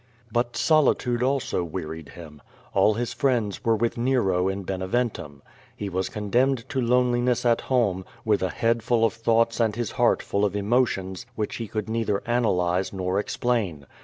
But solitude also wearied him. All his iriends were with Nero in Beneventum. He was condemned to loneliness at home, with a head full of thoughts and his heart full of emo tions which he could neither analyze nor explain.